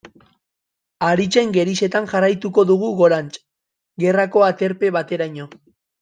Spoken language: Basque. Haritzen gerizetan jarraituko dugu gorantz, gerrako aterpe bateraino.